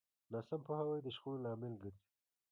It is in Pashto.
ناسم پوهاوی د شخړو لامل ګرځي.